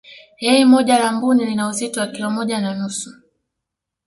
yai moja la mbuni lina uzito wa kilo moja na nusu